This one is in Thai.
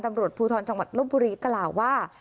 ตำรวจภูทรจังหวัดลบบุรีกล่าวว่า